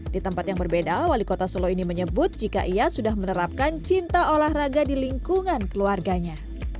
di tempat yang berbeda wali kota solo ini menyebut jika ia sudah menerapkan cinta olahraga di lingkungan keluarganya